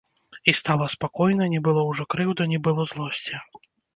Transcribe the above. І стала спакойна, не было ўжо крыўды, не было злосці.